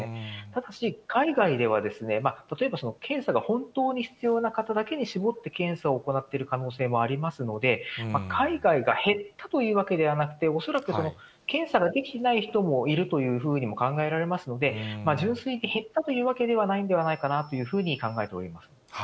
ただし、海外では、例えば検査が本当に必要な方だけに絞って検査を行っている可能性もありますので、海外が減ったというわけではなくて、恐らく検査ができてない人もいるというふうにも考えられますので、純粋に減ったというわけではないんではないかなというふうに考え